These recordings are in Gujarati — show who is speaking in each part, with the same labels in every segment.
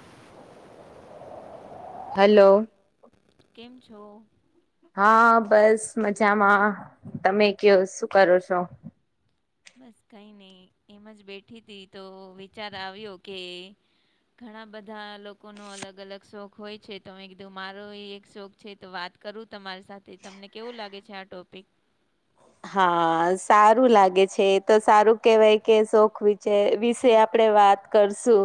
Speaker 1: [inaudible]
Speaker 2: હલો
Speaker 1: કેમ છો
Speaker 2: હા બસ મજામાં તમે કયો શું કરો છો
Speaker 1: બસ કઈ નહી એમ જ બેઠી તી તો વિચાર આવ્યો કે ઘણા બધા લોકોનો અલગ અલગ શોખ હોય છે તો મેં કીધું મારો એક શોખ છે તો વાત કરું તમારી સાથે તમને કેવું લાગે છે આ ટોપિક
Speaker 2: હા સસ સારું લાગે છે તો સારું કેહેવાય કે શોખ વિચ વિશે આપડે વાત કરશું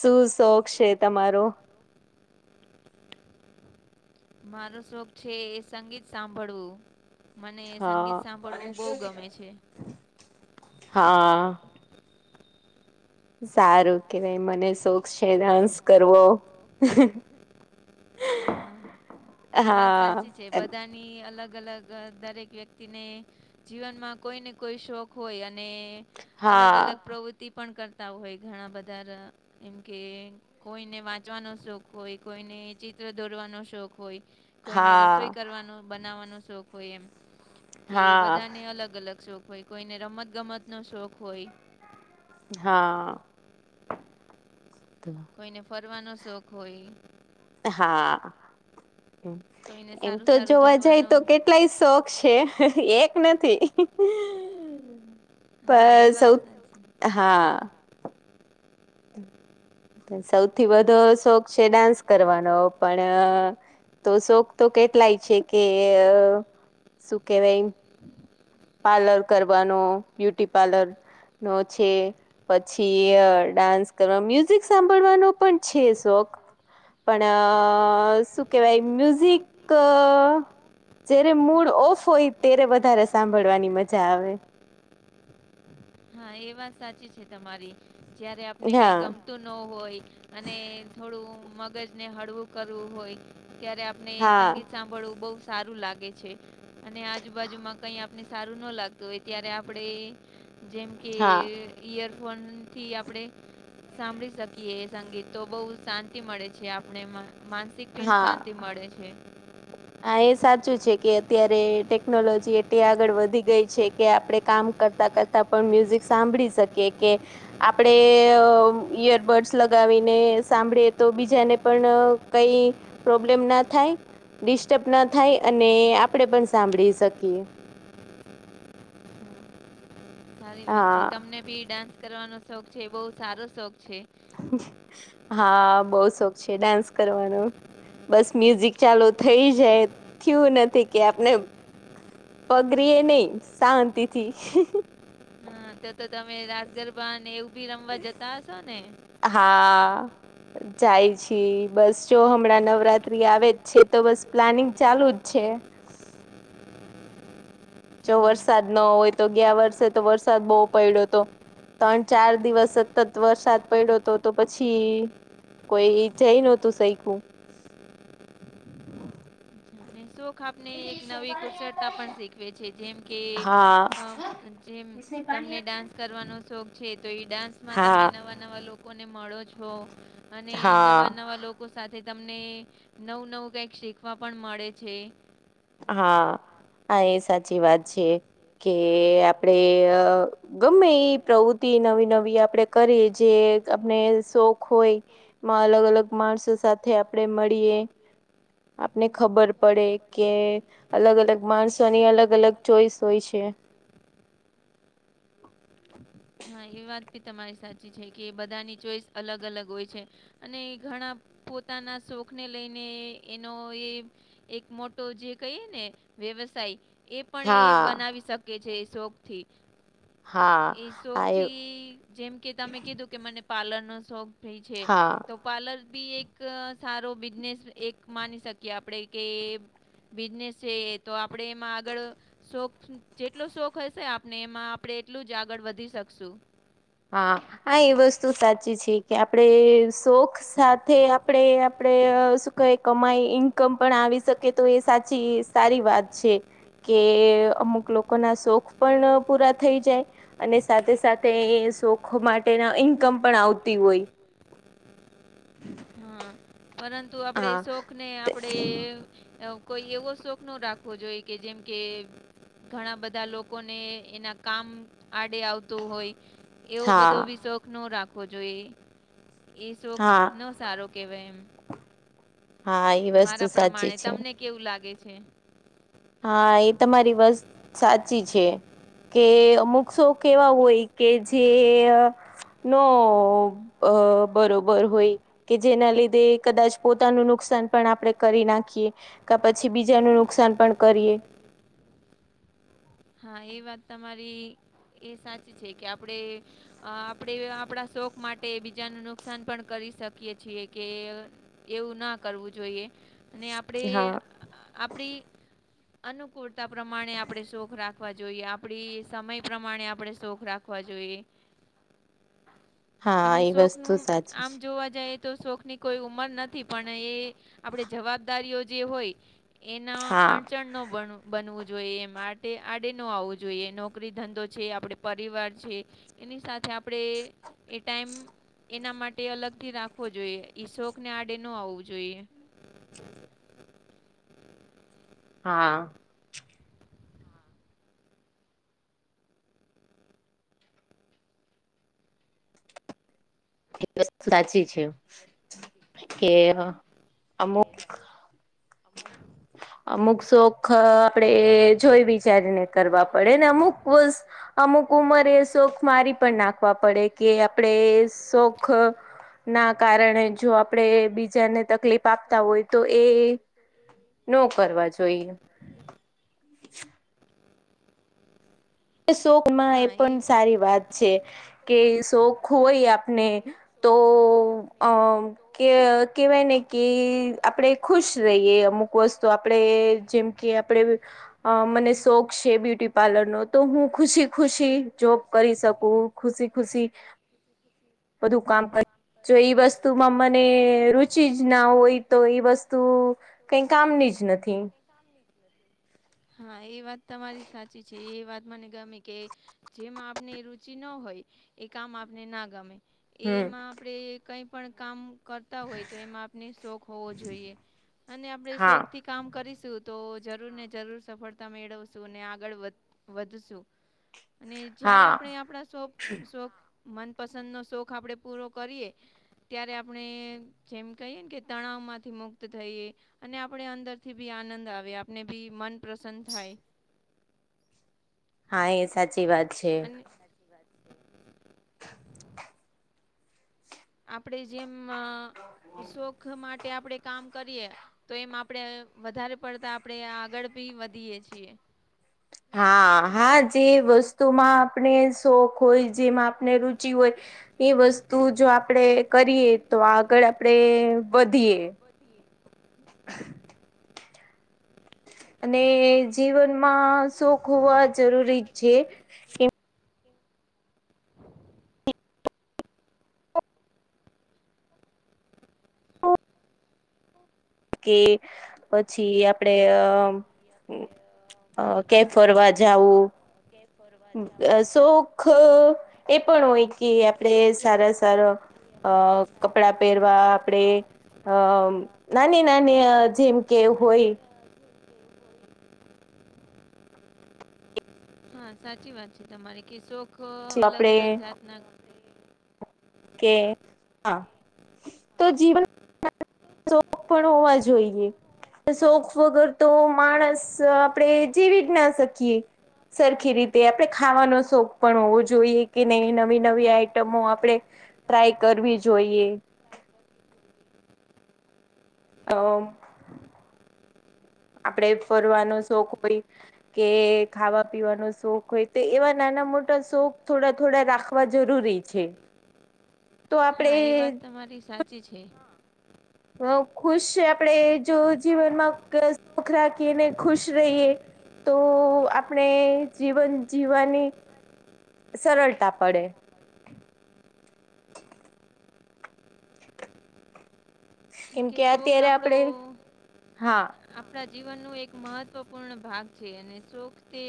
Speaker 2: શું શોખ છે તમારો
Speaker 1: મારો શોખ છે એ સંગીત સાંભળવું મને સંગીત સાંભળવું બહુ ગમે છે
Speaker 2: હા સારું કેહવાય મને શોખ છે ડાન્સ કરવો
Speaker 1: હા એ વાત સાચી છે બધા ની અલગ અલગ દરેક વ્યક્તિ ને જીવનમાં કોઈ ને કોઈ શોખ હોય અને અલગ અલગ પ્રવૃતિ તિ પણ કરતા હોય ઘણા બધા એમ કે કોઈને વાંચવાનો શોખ હોય કોઈને ચિત્ર દોરવાનો શોખ હોય કોઈને રસોઈ કરવાનો બનાવવાનો શોખ હોય એમ કે બધાને અલગ અલગ શોખ હોય કોઈને રમત ગમત નો શોખ હોય
Speaker 2: હા
Speaker 1: કોઈને ફરવાનો શોખ હોય
Speaker 2: હા હ એમ તો જોવા જાય તો કેટલાય શોખ છે એક નથી હમ્મ
Speaker 1: હા એ વાત હાચી
Speaker 2: હા સૌથી વધુ શોખ છે ડાન્સ કરવાનો પણ તો શોખ તો કેટલાય છે કે શું કેહવાય પાર્લર કરવાનો બ્યુટી પાર્લર નો છે પછી ડાન્સ કરવા મ્યુઝિક સાંભળવાનો પણ છે શોખ પણ શું કેહવાય મ્યુઝિક જયારે મૂડ ઓફ હોય તેરે વધારે સાંભળવાની મજા આવે
Speaker 1: હા એ વાત સાચી છે તમારી જ્યારે આપને કઈ ગમ તું ન હોય અને થોડું મગજને હળવું કરવું હોય ત્યારે આપ આપને સંગીત સાંભળવું બહુ સારું લાગે છે અને આજુબાજુમાં કઈ આપને સારું ન લાગતુ તો ત્યારે આપણે જેમ કે ઇયરફોનથી આપણે સાંભળી શકીએ એ સંગીત તો બહુ શાંતિ મળે છે આપણે એમાં માન
Speaker 2: હા હા એ સાચું છે કે અત્યારે ટેકનોલોજી એટલી આગળ વધી ગઈ છે કે આપડે કામ કરતા કરતા પણ મ્યુઝિક સાંભળી શકીયે કે આપણેે ઈયરબડ્સ લગાવીને સાંભળીએ તો બીજાને પણ કઈ પ્રોબ્લેમ ના થાય. ડિસ્ટર્બ ના થાય અને આપણેે પણ સાંભળી શકીએ.
Speaker 1: સારી વાત છે તમને બી ડાન્સ કરવાનો શોખ છે બહુ સારો શોખ છે.
Speaker 2: હા બવ શોખ છે ડાન્સ કરવાનો બસ મ્યુઝિક ચાલુ થઈ જાય થીયું નથી કે આપને પગરેએ નહી શાંતિથી
Speaker 1: હા તો તો તમે રાસ ગરબા ને એવું ભી રમવા જતા હશો ને?
Speaker 2: અહ હા. જાય છી બસ જો હમણાં નવરાત્રી આવે જ છે તો બસ પ્લાનિંગ ચાલુ જ છે. જો વરસાદ નો હોય તો ગયા વર્ષે તો વરસાદ બહુ પડ્યો તો. ત્રણ ચાર દિવસ સતત વરસાદ પડ્યો તો તો પછી કોઈ જઈ નહોતુ શઈકુ.
Speaker 1: શું ખા ને એક નવી કુશળતા પણ શીખવે છે જેમ કે અહ જેમ તમને ડાન્સ કરવાનો શોખ છે તો એ ડાન્સ માં તમે નવા નવા લોકોને મળો છો અને નવા નવા લોક કો સાથે તમને નવું નવું કંઈક શીખવા પણ મળે છે.
Speaker 2: હા હા એ સાચી વાત છે કે આપડે અહ ગમે એ પ્રવૃત્તિ નવી નવી આપડે કરી જે આપને શોખ હોય માં અલગ અલગ માણસો સાથે આપણે મળીએ આપને ખબર પડે. કે અલગ અલગ માણસોની અલગ અલગ ચોઈસ હોય છે.
Speaker 1: હા એ વાત ભી તમારી સાચી છે કે બધાની ચોઈસ અલગ અલગ હોય છે. અને ઘણા પોતાના શોખને લઈને એનો એ એક મોટો જે કહીએ ને વ્યવસાય એ પણ એ બનાવી શકે છે શોખથી.
Speaker 2: હા આ
Speaker 1: થી જેમ કે તમે કીધું કે મને પાર્લરનો શોખ થઈ છે તો પાર્લર બી એક અહ સારો બિઝનેસ એક માની શકીએ આપણેે કે બિઝનેસ છે એ તો આપણડે એમાં આગળ શોખ જેટલો શોખ હશે આપણે એમાં આપણે એટલું જ આગળ વધી શકશું.
Speaker 2: હા હા એ વસ્તુ સાચી છે કે આપડે શોખ સાથે આપ તે આપણે આપડે શું ક કમાઈ ઈન્કમ પણ આવી શકે તો એ સાચી સારી વાત છે. કે અમુક લોકો ના શોખ પણ પૂરા થઈ જાય. અને સાથે સાથે શોખ માટે ઇન્કમ પણ આવતી હોય.
Speaker 1: હા પરન તું આપડે શોક ને આપડે અહ કોઈ એવો શોખ નો રાખવો જોઈએ કે જેમકે ઘણા બધા લોકોને એના કામ આડે આવતું હોય. એવો બધો ભી શોખ નો રાખવો જોઈએ એ શોખ નશ સારો કહેવાય એમ. મારા પ્રમાણે તમને કેવું લાગે છે?
Speaker 2: હા એ તમારી વાત સાચી છે. કે અમુક શોક એવા હોય કે જે અહ નો અહ બરોબર હોય કે જેના લીધે કદાચ પોતાનું નુકસાન પણ આપણે કરી નાખીએ. કા પછી બીજા ન નુકસાન પણ કરીએ.
Speaker 1: હા એ વાત તમારી એ સાચી છે કે આપડે અહ આપડે આપડા શોક માટે બીજાનું નુકસાન પણ કરી શકીએ છીએ કે એવું ના કરવું જોઈએ. ને આપડે આપડી અનુકૂળતા પ્રમાણે આપદે શોખ રાખ ખવા જોઈએ આપડી સમય પ્રમાણે આપડે શોખ રાખવા જોઈએ. અને શોક નું આમ જોવા જાય તો શોખની કોઈ ઉંમર નથી પણ એ જવાબદારીઓ હોય એના અડચણ ન બનવું જોઈએ એ માટે આડે ન આવવું જોઈએ નોકરી ધંધો છે આપણે પરિવાર છે એની સાથે આપણે એ ટાઈમ એના માટે અલગથી રાખવો જોઈએ ઈ શોક ને આડે ન આવવું જોઈએ
Speaker 2: [inaudible] હા સ્ત સાચી છે કે
Speaker 1: એ અમુક
Speaker 2: અમુક શોખ આ આપણેે જોઈ વિચારીને કરવા પડેને અમુક વર્ષ અમુક ઉંમરે શોખ મારી પણ નાખ વા પડે કે આપડે શોખ ના કારણે જો આપણેે બીજાને તકલીફ આપતા હોય તો એ ન કરવા જોઈએ
Speaker 1: હ
Speaker 2: શોખમાં એ પણ સારી વાત છે કે શોખ હોય આપને તો અ કે કેવાય ને કે આપણેે ખુશ રહીયએ અમુક વસ્તુ આપડે જેમ કે આપડે અ મને શોખ છે બ્યુટી પાર્લર નો તો હું ખુશી ખુશી જોબ કરી શકું ખુશી ખુશી બધું કામ કરે જો એ વસ્તુમાં મને રુચિ જ ના હોય તો એ વસ્તુ તો કઈ કામની જ નથી
Speaker 1: હા, એ વાત તમારી સાચી છે એ વાત મને ગમે કે જેમાં આપણે રુચિ ન હોય એ કામ આપને ના ગમે એમાં આપડે પણ કામ કર કરતા હોય તો એમાં આપને શોખ હોવો જોઈએ અને આપણે શોખથી કામ કરીશું તો જરૂર ને જરૂર સફળતા મેળવશું અને આગળ વધ વધશું અને જયારે આપણે આપણા શોખ શોખ મનપસંદનો શોખ આપણે પૂરો કરીએ ત્યારે આપણે જેમ કહીએ ને કે તણાવ માંથી મુક્ત થઈએ અને આપણે અંદર થી બી આનંદ આવે આપને બી મન પ્રસન્ન થાય.
Speaker 2: હા, એ સાચી વાત છે.
Speaker 1: આપણે જેમ આ શોખ માટે આપણેે કામ કરીએ તો એમ આપણે વધારે પડતા આપણેે આગળ ભી વધીયએ છીએ
Speaker 2: હા હા જે વસ્તુમાં આપણે શોખ હોય જેમાં આપણે રુચિ હોય એ વસ્તુ જો આપણેે કરીએ તો આગળ આપણેે વધીએ
Speaker 1: પતિએ
Speaker 2: અને જીવનમાં શોખ હોવા જરૂરી જ છે કે પછી આપણે અ ક્યાં ફરવા જાવું અ શોખ એ પણ હોય કે આપડે સારા સારા અ કપડા પહેરવા આપણેે અ નાની નાની જેમ કે હોય
Speaker 1: હા, સાચી વાત છે તમારી કે શોખ અલગ અલગ જાતના
Speaker 2: કે આ તો જીવન શોખ પણ હોવા જોઈએ. શોખ વગર તો માણસ આપણેે જીવી જ ના શકીએ. સરખી રીતે આપણે ખાવાનો શોખ પણ હોવો જોઈએ કે ન નવી નવી આઈટમો આપણે ટ્રાય કરવી જોઈએ. આમ આપણે ફરવાનો શોખ હોય. કે ખાવા પીવાનો શોખ હોય તો એવા નાના મોટા શોખ થોડા થોડા રાખ રાખવા જરૂરી છે.
Speaker 1: હા, એ વાત તમારી સાચી છે.
Speaker 2: હ ખુશ છે આપણે જો જીવનમાં સુખ રાખીએ ને ખુશ રહીએ. તો આપણે જીવન જીવવાની સરળતા પડે
Speaker 1: એમ કે શોખ આપણો આપણા જીવનનો એક મહત્વપૂર્ણ ભાગ છે અને શોખ તે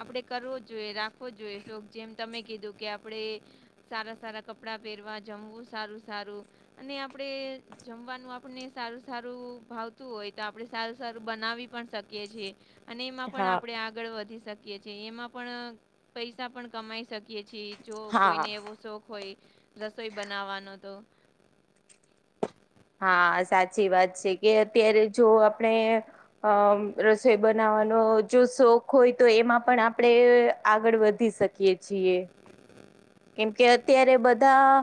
Speaker 1: આપણે કરવો જોઈએ રાખવો જોઈએ શોખ જેમ તમે કીધું કે આપણેે સારા સારા કપડાં પહેરવા જમવું સારું સારું અને આપણે જમવાનું આપણે સારું સારું ભાવતું હોય તો આપણે સારું સારું બનાવી પણ શકીએ છીએ. અને એમાં પણ આપણેે આગળ વધી શકીએ છીએ એમાં પણ પૈસા પણ કમાઈ શક [unintelligible] છીએ જો એવો શોખ હોય રસોઈ બનાવવા નો તો
Speaker 2: હા, સાચી વાત અત્યારે જો આપણે અ રસોઈ બનાવવાનો જો શોખ હોય તો એમાં પણ આપણે આગળ વધી શકીએ. [unintelligible] છીએ. કેમ કે અત્યારે બધા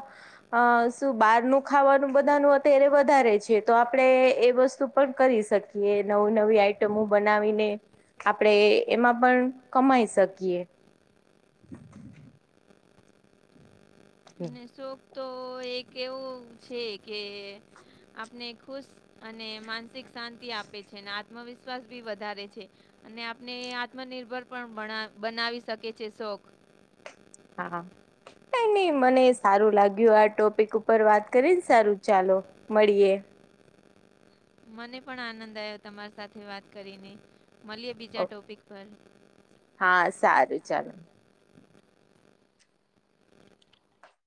Speaker 2: અ શું બહારનું ખાવાનું બધાનું અત્યારે વધારે છે તો આપણે એ વસ્તુ પણ કરી શકીએ. જે નવી નવી આઈટમો બનાવીને આપણેે એમાં પણ કમાઈ શકીએ.
Speaker 1: અને શોક તો એક એવું છે કે આપને ખુશ અને માનસિક શાંતિ આપે છે અને આત્મવિશ્વાસ ભી વધારે છે અને આપને આત્મનિર્ભર પણ બનાવી શકે છે શોખ
Speaker 2: હા ન નહી મને સારુ લાગ્યું આ ટોપિક ઉપર વાત સારું ચાલો મળીયે.
Speaker 1: મને પણ આનંદ આવ્યો તમારી સાથે વાત કરીને મળીએ બીજા ટોપિક પર.
Speaker 2: હા સારું ચાલો